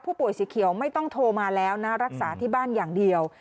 สีเขียวไม่ต้องโทรมาแล้วนะรักษาที่บ้านอย่างเดียว